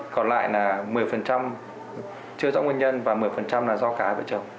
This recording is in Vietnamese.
còn lại là một mươi chưa rõ nguyên nhân và một mươi là do cả hai vợ chồng